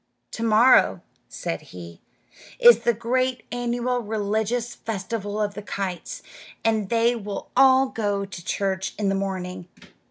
"To morrow," said he, "is the great annual religious festival of the kites, and they will all go to church in the morning.